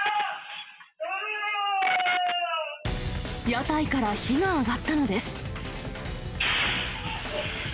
屋台から火が上がったのです。